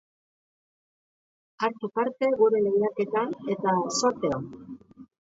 Hartu parte gure lehiaketan eta zorte on!